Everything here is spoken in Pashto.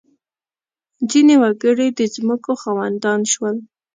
• ځینې وګړي د ځمکو خاوندان شول.